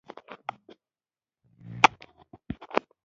کور د هوساینې زانګو ده.